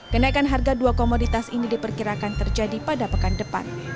kenaikan harga dua komoditas ini diperkirakan terjadi pada pekan depan